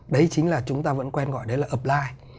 đấy chính là chúng ta vẫn quen gọi đấy là offline